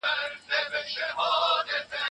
لومړی باید سم لیکل زده کړئ.